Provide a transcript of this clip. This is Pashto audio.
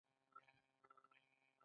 دا کار بل کس ته د صلاحیت په سپارلو کیږي.